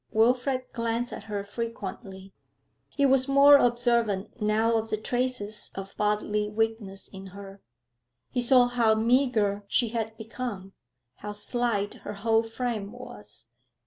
Wilfrid glanced at her frequently. He was more observant now of the traces of bodily weakness in her; he saw how meagre she had become, how slight her whole frame was.